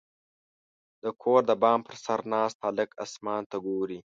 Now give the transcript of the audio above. • د کور د بام پر سر ناست هلک اسمان ته ګوري.